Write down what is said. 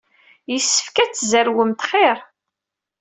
Yessefk ad tzerwemt xir.